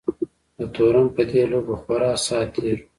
د تورن په دې لوبه خورا ساعت تېر وو.